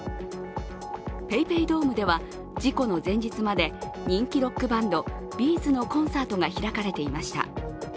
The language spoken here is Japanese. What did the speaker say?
ＰａｙＰａｙドームでは事故の前日まで人気ロックバンド、Ｂ’ｚのコンサートが開かれていました。